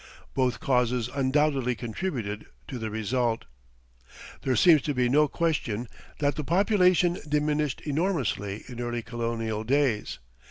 Both causes undoubtedly contributed to the result. There seems to be no question that the population diminished enormously in early colonial days.